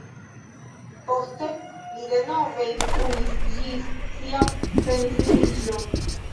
Poste li denove instruis ĝis sia pensiuliĝo.